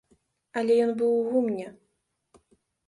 Але ён быў у гумне.